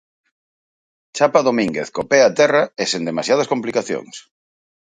Chapa Domínguez co pé a terra e sen demasiadas complicacións.